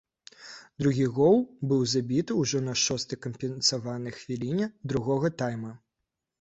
Другі гол быў забіты ўжо на шостай кампенсаванай хвіліне другога тайма.